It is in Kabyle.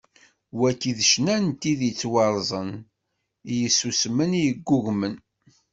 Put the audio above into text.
Wagi d ccna n tid i yettwarzen, i yessusmen, i yeggugmen.